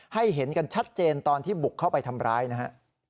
เห็นกันชัดเจนตอนที่บุกเข้าไปทำร้ายนะฮะ